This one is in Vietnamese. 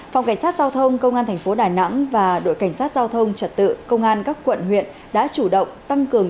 phòng cảnh sát giao thông công an thành phố đà nẵng và đội cảnh sát giao thông trật tự công an các quận huyện đã chủ động tăng cường